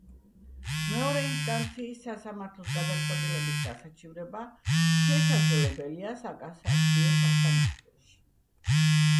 მეორე ინსტანციის სასამართლოს გადაწყვეტილების გასაჩივრება შესაძლებელია საკასაციო სასამართლოში.